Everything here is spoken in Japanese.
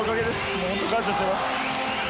もう本当、感謝してます。